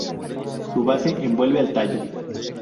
Su base envuelve al tallo.